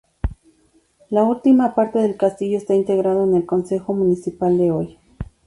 La último parte del castillo está integrado en el concejo municipal de hoy.